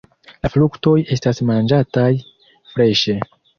La fruktoj estas manĝataj freŝe.